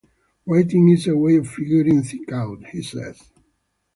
"Writing is a way of figuring things out," he says.